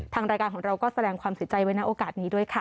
ทางรายการของเราก็แสดงความเสียใจไว้ในโอกาสนี้ด้วยค่ะ